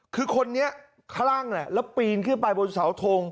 คือคนนี้คลั่งแล้วปีนขึ้นไปบนเสาทง